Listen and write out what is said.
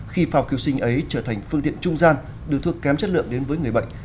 khi phao cứu sinh ấy trở thành phương tiện trung gian đưa thuốc kém chất lượng đến với người bệnh